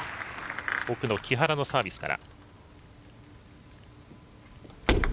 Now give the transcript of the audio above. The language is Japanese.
奥の木原のサービスから。